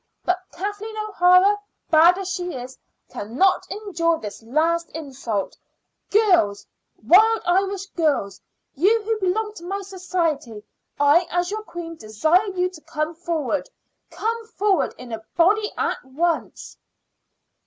But Kathleen O'Hara, bad as she is, cannot endure this last insult. Girls Wild Irish Girls, you who belong to my society I as your queen desire you to come forward. Come forward in a body at once."